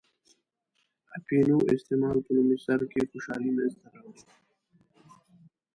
اپینو استعمال په لومړی سر کې خوشحالي منځته راوړي.